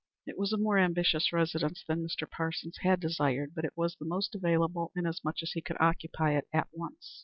It was a more ambitious residence than Mr. Parsons had desired, but it was the most available, inasmuch as he could occupy it at once.